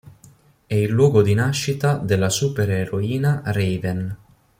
È il luogo di nascita della supereroina Raven.